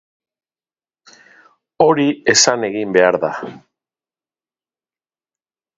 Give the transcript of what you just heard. Hori esan egin behar da.